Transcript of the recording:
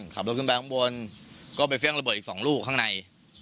ขับรถขึ้นไปข้างบนก็ไปเฟี่ยงระเบิดอีก๒ลูกข้างใน